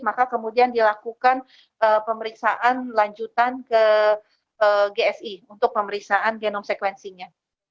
maka kemudian dilakukan pemeriksaan lanjutan ke gsi untuk pemeriksaan genome sequencingnya